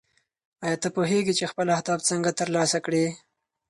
ایا ته پوهېږې چې خپل اهداف څنګه ترلاسه کړې؟